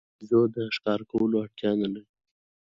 بیزو د ښکار کولو اړتیا نه لري.